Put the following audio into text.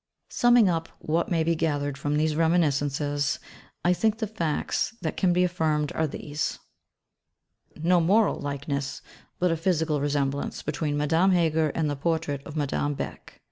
Summing up what may be gathered from these reminiscences, I think the facts that can be affirmed are these: No moral likeness, but a physical resemblance, between Madame Heger and the portrait of Madame Beck.